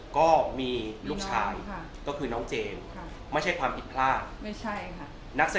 ก็มีลูกชายเป็นเร็วเข้มค่ะ